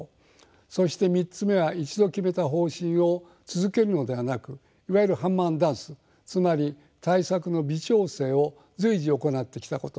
そして３つ目は一度決めた方針を続けるのではなくいわゆるハンマー＆ダンスつまり対策の微調整を随時行ってきたこと。